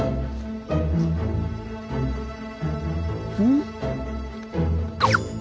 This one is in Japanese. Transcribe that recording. うん？